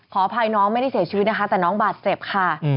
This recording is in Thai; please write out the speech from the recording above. อภัยน้องไม่ได้เสียชีวิตนะคะแต่น้องบาดเจ็บค่ะ